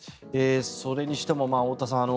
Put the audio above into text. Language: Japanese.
それにしても太田さん